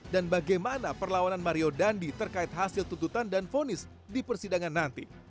dan bagaimana perlawanan mario dendi terkait hasil tuntutan dan fonis di persidangan nanti